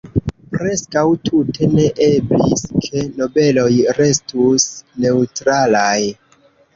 Preskaŭ tute ne eblis ke nobeloj restus neŭtralaj.